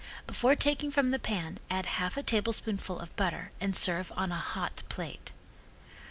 Before taking from the pan add half a tablespoonful of butter and serve on a hot plate.